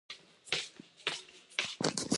野獣先輩イキスギ